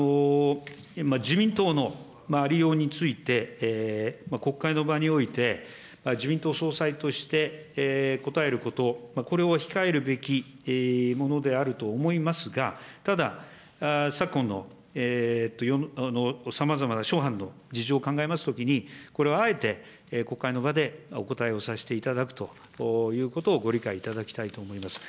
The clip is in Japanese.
自民党のありようについて、国会の場において、自民党総裁として答えること、これを控えるべきものであると思いますが、ただ、昨今のさまざまな諸般の事情を考えますときに、これはあえて国会の場でお答えをさせていただくということをご理解いただきたいと思います。